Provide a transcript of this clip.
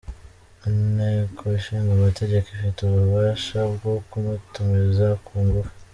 Inteko Ishinga Amategeko ifite ububasha bwo kumutumiza ku ngufu.